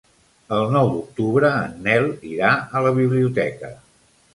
El nou d'octubre en Nel irà a la biblioteca.